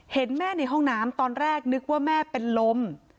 เห็นแม่ในห้องน้ำตอนแรกนึกว่าแม่เป็นลม